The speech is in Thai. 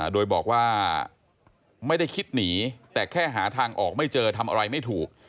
โดยบอกว่าไม่ได้คิดหนีแต่แค่หาทางออกไม่เจอทำอะไรไม่ถูก